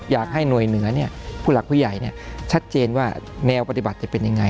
อยากให้หน่วยเหนือผู้หลักผู้ใหญ่ชัดเจนว่าแนวปฏิบัติจะเป็นยังไง